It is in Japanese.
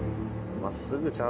真っすぐちゃう？